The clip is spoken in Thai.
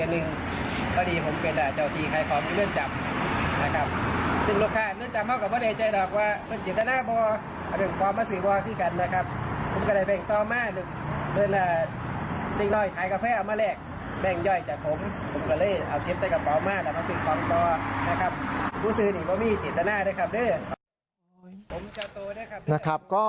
นะครับก็ตอนนี้นะคะ